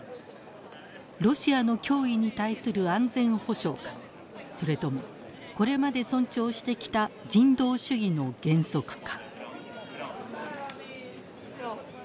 ロシアの脅威に対する安全保障かそれともこれまで尊重してきた人道主義の原則か。